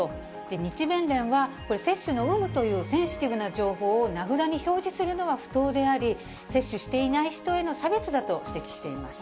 日弁連はこれ、接種の有無というセンシティブな情報を名札に表示するのは不当であり、接種していない人への差別だと指摘しています。